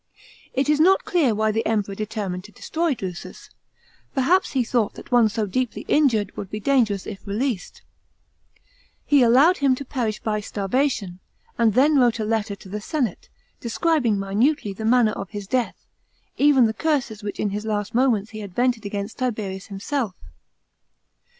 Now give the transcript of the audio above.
It is not clear why the Emperor determined to destroy Drusus ; perhaps he thought that one so deeply injured would be dangerous if released. He allowed him to perish by starvation, and then wrote a letter to the senate, describing minutely the manner of his death, even the curses which in his last moments he had vented against Tiberius himself.